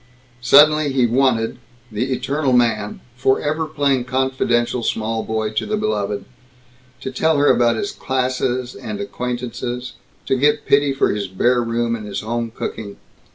Suddenly he wanted eternal man, forever playing confidential small boy to the beloved to tell her about his classes and acquaintances; to get pity for his bare room and his home cooking.